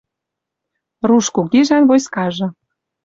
Руш кугижӓн войскажы